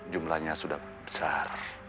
jumlahnya sudah besar